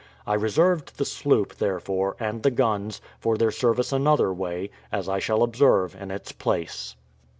I reserved the sloop, therefore, and the guns, for their service another way, as I shall observe in its place.